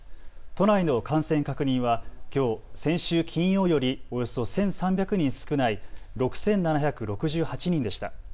都内の感染確認は、きょう、先週金曜よりおよそ１３００人少ない６７６８人でした。